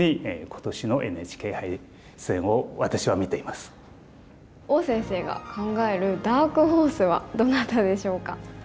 まさに王先生が考えるダークホースはどなたでしょうか？